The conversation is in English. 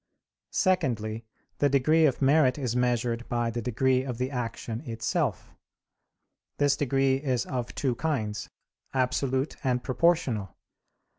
Secondly, the degree of merit is measured by the degree of the action itself. This degree is of two kinds, absolute and proportional.